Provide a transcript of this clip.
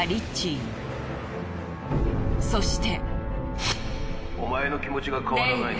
そして。